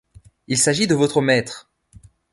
Il s’agit de votre maître!